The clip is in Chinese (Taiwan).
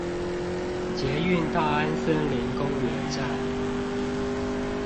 捷運大安森林公園站